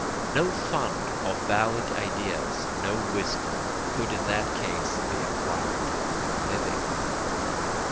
No fund of valid ideas, no wisdom, could in that case be acquired by living.